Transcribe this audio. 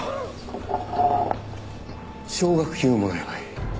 奨学金をもらえばいい。